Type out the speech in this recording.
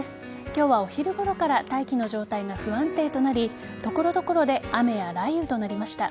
今日はお昼ごろから大気の状態が不安定となり所々で雨や雷雨となりました。